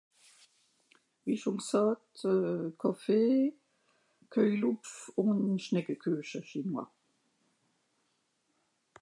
Comme dit Café Kouglof et Chinois